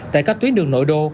tại các tuyến đường nội đô